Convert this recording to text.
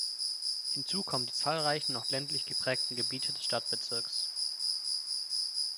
Hinzu kommen die zahlreichen noch ländlich geprägten Gebiete des Stadtbezirks.